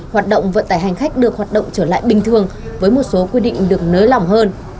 hoạt động vận tải hành khách được hoạt động trở lại bình thường với một số quy định được nới lỏng hơn